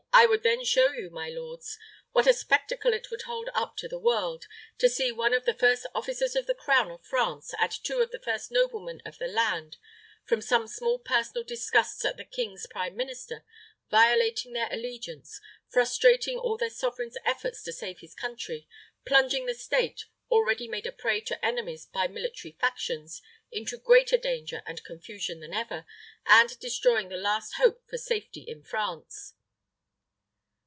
"I would then show you, my lords, what a spectacle it would hold up to the world, to see one of the first officers of the crown of France, and two of the first noblemen of the land, from some small personal disgusts at the king's prime minister, violating their allegiance, frustrating all their sovereign's efforts to save his country, plunging the state, already made a prey to enemies by military factions, into greater danger and confusion than ever, and destroying the last hope for safety in France."